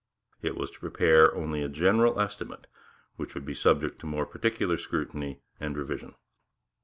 It was to prepare only a 'general estimate' which would be subject to more particular scrutiny and revision.